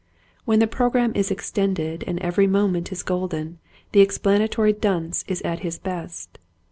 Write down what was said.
When the program is extended and every moment is golden the explanatory dunce is at his best.